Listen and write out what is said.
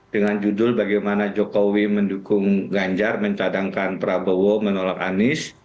dengan judul bagaimana jokowi mendukung ganjar mencadangkan prabowo menolak anies